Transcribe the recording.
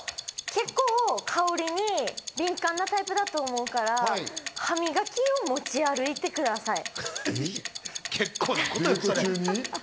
結構香りに敏感なタイプだと思うから、歯磨きを持ち歩いてください。